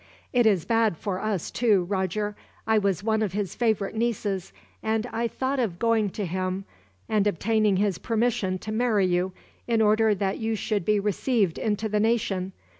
"It is bad for us, too, Roger. I was one of his favorite nieces, and I thought of going to him and obtaining his permission to marry you, in order that you should be received into the nation.